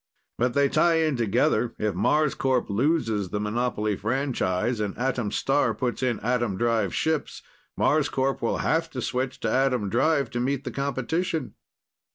But they tie in together: if Marscorp loses the monopoly franchise and Atom Star puts in atom drive ships, Marscorp will have to switch to atom drive to meet the competition."